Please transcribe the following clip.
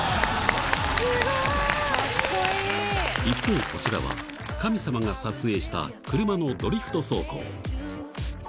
一方、こちらは、神様が撮影した車のドリフト走行。